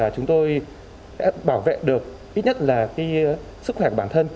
chúng tôi bảo vệ được ít nhất là sức khỏe của bản thân